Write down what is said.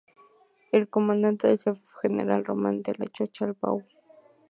El comandante en jefe fue el general Román Delgado Chalbaud.